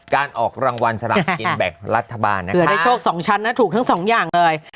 การออกรางวัลสลักกินแบ่งรัฐบาลนะคะคือได้โชค๒ชั้นนะถูกทั้งสองอย่างเลย